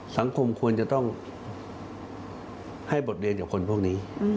สังคมควรจะต้องให้บทเรียนกับคนพวกนี้